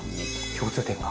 共通点が。